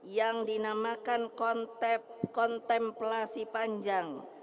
yang dinamakan kontemplasi panjang